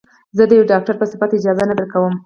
زه د يوه ډاکتر په صفت اجازه نه درکم.